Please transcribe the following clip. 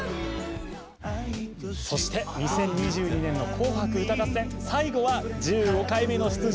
２０２２年の「紅白歌合戦」最後は１５回目の出場